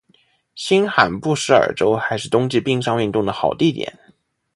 新罕布什尔州还是冬季冰上运动的好地点。